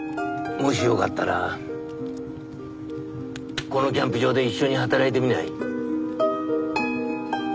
もしよかったらこのキャンプ場で一緒に働いてみない？